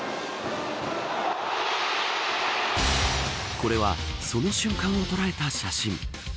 これはその瞬間をとらえた写真。